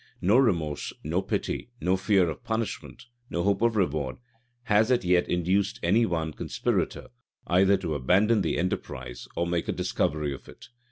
No remorse, no pity, no fear of punishment, no hope of reward, had as yet induced any one conspirator either to abandon the enterprise, or make a discovery of it.